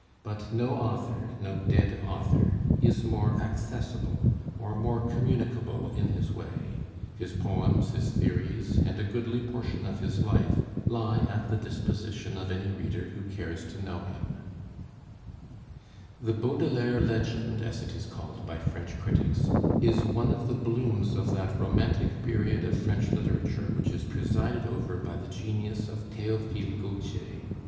But no author no dead author is more accessible, or more communicable in his way; his poems, his theories, and a goodly portion of his life, lie at the disposition of any reader who cares to know him. [Illustration: CHARLES BAUDELAIRE] The Baudelaire legend, as it is called by French critics, is one of the blooms of that romantic period of French literature which is presided over by the genius of Théophile Gautier.